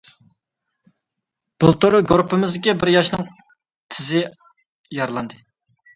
بۇلتۇر گۇرۇپپىمىزدىكى بىر ياشنىڭ تىزى يارىلاندى.